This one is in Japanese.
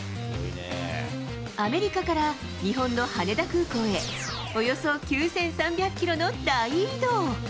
アメリカから日本の羽田空港へ、およそ９３００キロの大移動。